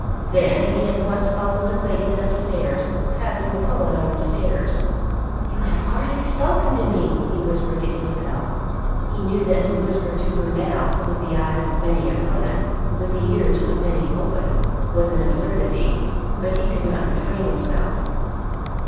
Then he at once followed the ladies upstairs, passing the poet on the stairs. "You have hardly spoken to me," he whispered to Isabel. He knew that to whisper to her now, with the eyes of many upon him, with the ears of many open, was an absurdity; but he could not refrain himself.